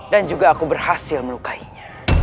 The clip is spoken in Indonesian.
dan juga aku berhasil melukainya